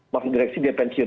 maksud direksi dia pensiun